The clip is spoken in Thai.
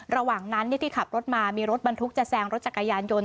ระหว่างนั้นที่ขับรถมามีรถบรรทุกจะแซงรถจักรยานยนต์